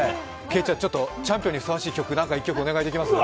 チャンピオンにふさわしい曲を何か１曲お願いできませんか。